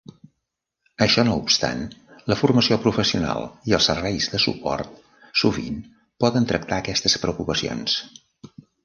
Això no obstant, la formació professional i els serveis de suport sovint poden tractar aquestes preocupacions.